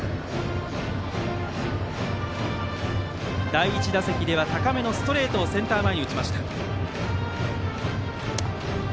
第１打席では高めのストレートをセンター前に打ちました。